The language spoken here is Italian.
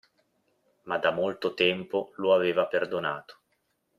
Ma da molto tempo lo aveva perdonato.